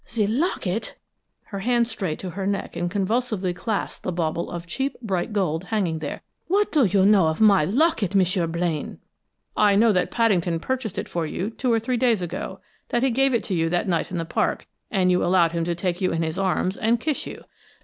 "The locket " Her hand strayed to her neck and convulsively clasped the bauble of cheap, bright gold hanging there. "What do you know of my locket, M'sieu Blaine?" "I know that Paddington purchased it for you two or three days ago that he gave it to you that night in the park, and you allowed him to take you in his arms and kiss you!"